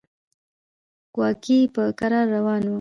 کواګې په کراره روان و.